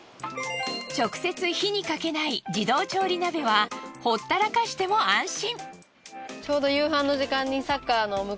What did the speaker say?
直接火にかけない自動調理なべはほったらかしても安心。